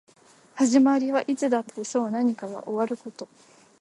始まりはいつだってそう何かが終わること